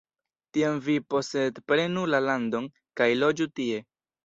Tiam vi posedprenu la landon, kaj loĝu tie.